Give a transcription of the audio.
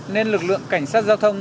nên lực lượng cảnh sát giao thông